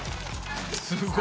すごい。